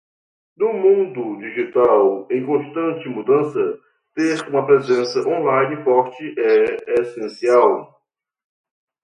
Num mundo digital em constante mudança, ter uma presença online forte é essencial.